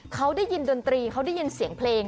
เขาได้ยินดนตรีเขาได้ยินเสียงเพลง